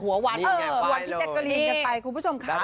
ระวังพี่จ๊ะกะรีย่อไปคุณผู้ชมค่ะ